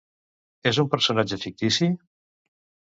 És un personatge fictici?